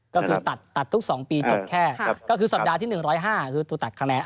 ก็คือตัดตัดทุกสองปีจดแค่ครับก็คือสัปดาห์ที่หนึ่งร้อยห้าคือตัวตัดคะแนน